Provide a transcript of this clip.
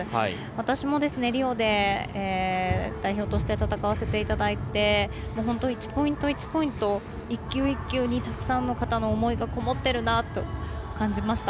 私も、リオで代表として戦わせていただいて本当、１ポイント、１ポイント１球１球にたくさんの気持ちがこもってるなと感じました。